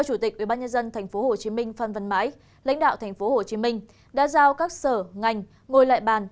chủ tịch ubnd tp hcm phan văn mãi lãnh đạo tp hcm đã giao các sở ngành ngồi lại bàn